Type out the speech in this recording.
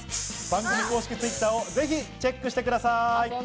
番組公式Ｔｗｉｔｔｅｒをぜひチェックしてください。